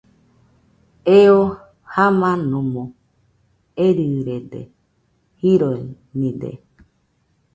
Eo jamanomo erɨrede, jironide